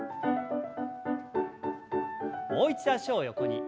もう一度脚を横に。